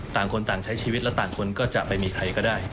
ต่างคนต่างใช้ชีวิตและต่างคนก็จะไปมีใครก็ได้